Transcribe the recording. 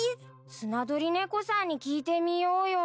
スナドリネコさんに聞いてみようよ。